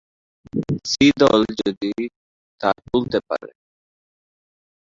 C দল যদি তা তুলতে পারে।